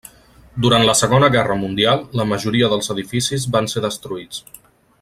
Durant la Segona Guerra Mundial, la majoria dels edificis van ser destruïts.